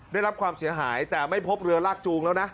ได้รับความเสียหายแต่ไม่พบเรือลากจูงแล้วนะ